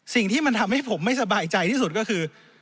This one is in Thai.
สิ่งที่มันทำให้ผมไม่สบายใจที่สุดก็คือ